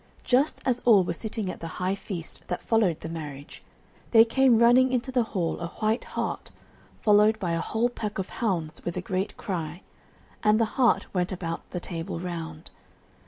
Just as all were sitting at the high feast that followed the marriage, there came running into the hall a white hart, followed by a whole pack of hounds with a great cry, and the hart went about the Table Round.